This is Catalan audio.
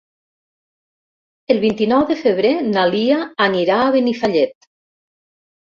El vint-i-nou de febrer na Lia anirà a Benifallet.